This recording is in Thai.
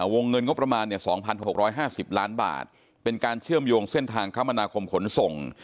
วงเงินงบประมาณ๒๖๕๐ล้านบาทเป็นการเชื่อมโยงเส้นทางคมนาคมขนส่ง